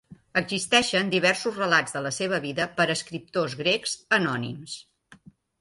Existeixen diversos relats de la seva vida per escriptors grecs anònims.